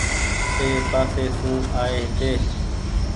اي پاسي سون آئي هيتي۔